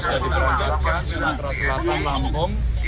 sudah diperangkatkan sumatera selatan lampung